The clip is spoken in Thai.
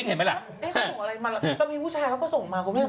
ส่งอะไรมาแล้วมีผู้ชายเขาก็ส่งมา